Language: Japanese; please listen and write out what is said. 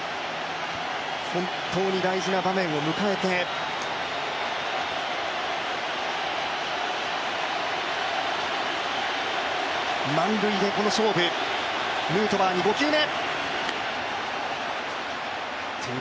本当に大事な場面を迎えて満塁でこの勝負、ヌートバーに５球目。